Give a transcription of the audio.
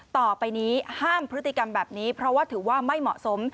ต่อไปนี้ห้ามพฤติกรรมแบบนี้เพราะว่าถือว่าไม่เหมาะสม